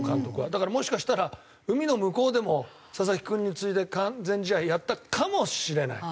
だからもしかしたら海の向こうでも佐々木君に次いで完全試合やったかもしれない。